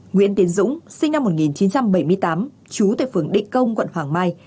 nguyễn tiến dũng sinh năm một nghìn chín trăm bảy mươi tám chú tại phường định công quận hoàng mai